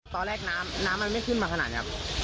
ตอนแรกน้ำมันไม่ขึ้นมาขนาดนี้